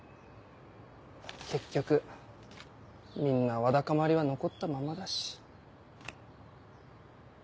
結局みんなわだかまりは残ったままだし。